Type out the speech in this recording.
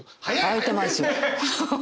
「開いてますよ！！」？